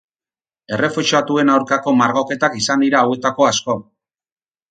Errefuxiatuen aurkako margoketak izan dira hauetako asko.